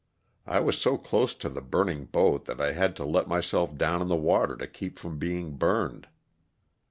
I was so close to the burning boat that I had to let myself down in the water to keep from being burned.